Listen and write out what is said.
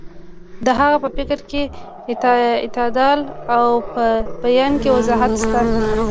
د هغه په فکر کې اعتدال او په بیان کې وضاحت شته.